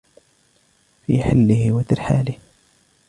في حله و ترحاله